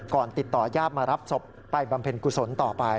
ติดต่อยาดมารับศพไปบำเพ็ญกุศลต่อไป